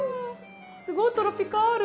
すごいトロピカル。